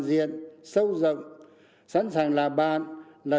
diện sâu rộng sẵn sàng là bạn là